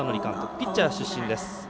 ピッチャー出身です。